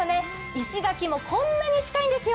岩垣もこんなに近いんですよ。